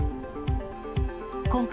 今回、